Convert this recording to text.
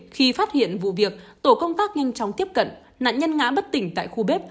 khi phát hiện vụ việc tổ công tác nhanh chóng tiếp cận nạn nhân ngã bất tỉnh tại khu bếp